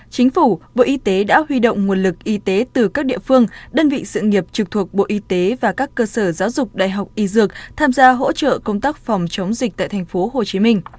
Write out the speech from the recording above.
chính phủ bộ y tế đã huy động nguồn lực y tế từ các địa phương đơn vị sự nghiệp trực thuộc bộ y tế và các cơ sở giáo dục đại học y dược tham gia hỗ trợ công tác phòng chống dịch tại tp hcm